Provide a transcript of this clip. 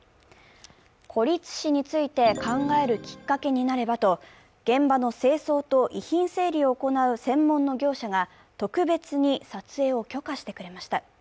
孤立死について考えるきっかけになればと現場の清掃と遺品整理を行う専門の業者が特別に撮影を許可してくれました。